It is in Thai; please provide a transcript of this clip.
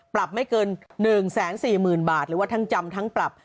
ปรับไม่เกิน๑๔๐๐๐บาทหรือว่าทั้งจำทั้งปรับ